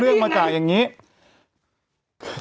แต่หนูจะเอากับน้องเขามาแต่ว่า